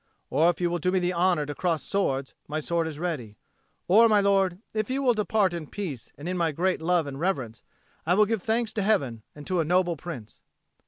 Or if you will do me the honour to cross swords, my sword is ready. Or, my lord, if you will depart in peace and in my great love and reverence, I will give thanks to Heaven and to a noble Prince."